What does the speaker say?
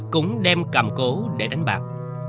cũng đem cầm cố để đánh bạc